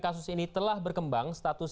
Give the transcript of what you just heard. kasus ini telah berkembang status